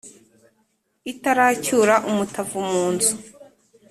itaracyura umutavu mu nzu,